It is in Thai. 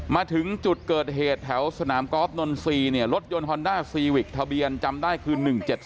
มาถึงจุดเกิดเหตุแถวสนามกอล์ฟนนทรีย์เนี่ยรถยนต์ฮอนด้าซีวิกทะเบียนจำได้คือ๑๗๒